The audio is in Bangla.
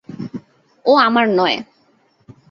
ও আমার নয়।